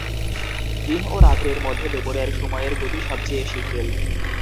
দিন ও রাত্রির মধ্যে দুপুরের সময়ের গতি সবচেয়ে শিথিল।